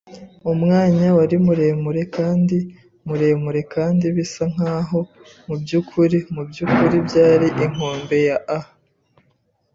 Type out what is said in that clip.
umwanya wari muremure kandi muremure kandi bisa nkaho, mubyukuri mubyukuri byari, inkombe ya a